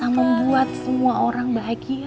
mengulang semua harimu